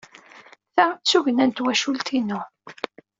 Ta d tugna n twacult-inu.